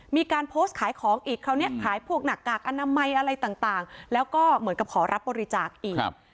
มีการโพสต์ขายของอีกคราวนี้ขายพวกหน้ากากอนามัยอะไรต่างแล้วก็เหมือนกับขอรับบริจาคอีก